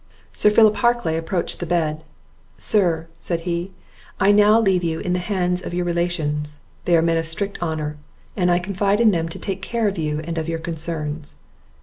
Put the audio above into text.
Sir Philip Harclay approached the bed; "Sir," said he, "I now leave you in the hands of your own relations; they are men of strict honour, and I confide in them to take care of you and of your concerns."